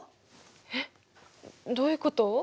えっどういうこと？